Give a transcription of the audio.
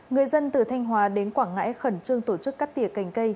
người dân từ thanh hóa đến quảng ngãi khẩn trương tổ chức cắt tỉa cành cây